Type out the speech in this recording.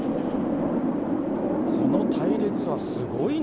この隊列はすごいな。